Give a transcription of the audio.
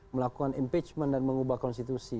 melakukan impeachment dan mengubah konstitusi